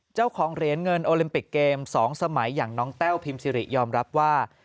เจ้าของเหรียญเงินโอลิมปิกเกม๒สมัยอย่างน้องแต้วพิมซิริยอมรับว่า